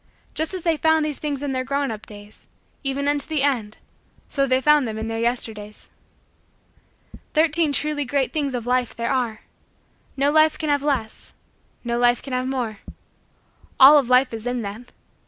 Just as they found these things in their grown up days, even unto the end, so they found them in Their Yesterdays. Thirteen Truly Great Things of Life there are. No life can have less. No life can have more. All of life is in them.